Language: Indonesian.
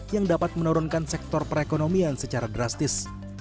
yang dapat menurunkan sektor perekonomian secara drastis